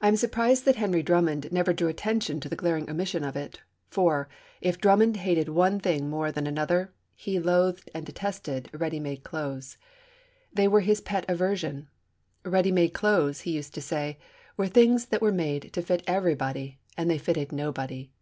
I am surprised that Henry Drummond never drew attention to the glaring omission, for, if Drummond hated one thing more than another, he loathed and detested ready made clothes. They were his pet aversion. Ready made clothes, he used to say, were things that were made to fit everybody, and they fitted nobody.